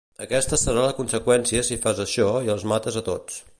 Aquesta serà la conseqüència si fas això i els mates a tots.